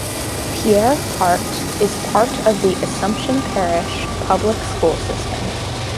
Pierre Part is part of the Assumption Parish public school system.